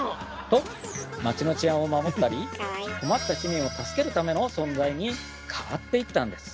と街の治安を守ったり困った市民を助けるための存在に変わっていったんです。